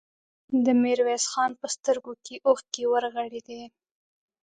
د ميرويس خان په سترګو کې اوښکې ورغړېدې.